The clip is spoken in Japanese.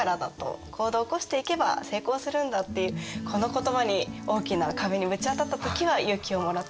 行動を起こしていけば成功するんだっていうこの言葉に大きな壁にぶち当たった時は勇気をもらってるんです。